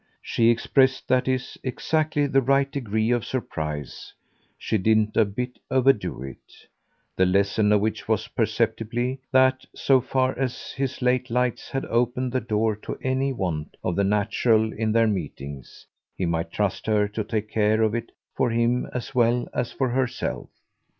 She expressed, that is, exactly the right degree of surprise; she didn't a bit overdo it: the lesson of which was, perceptibly, that, so far as his late lights had opened the door to any want of the natural in their meetings, he might trust her to take care of it for him as well as for herself.